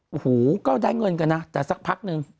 โอ้โหก็ได้เงินกันนะแต่สักพักนึง